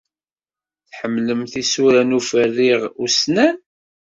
Tḥemmlemt isura n uferriɣ ussnan?